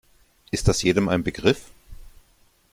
Ist das jedem ein Begriff?